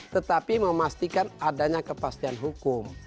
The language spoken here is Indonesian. tetapi memastikan adanya kepastian hukum